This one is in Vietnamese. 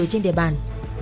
trên địa bàn